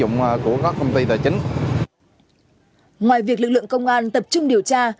ngoài việc lực lượng công an tập trung điều tra